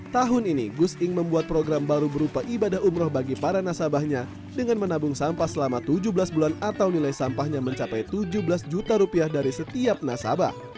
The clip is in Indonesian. tahun ini gus ing membuat program baru berupa ibadah umroh bagi para nasabahnya dengan menabung sampah selama tujuh belas bulan atau nilai sampahnya mencapai tujuh belas juta rupiah dari setiap nasabah